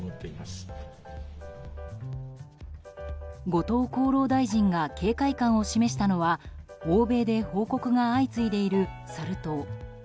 後藤厚労大臣が警戒感を示したのは欧米で報告が相次いでいるサル痘。